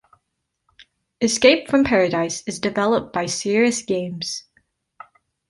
Escape from Paradise is developed by Sirius Games.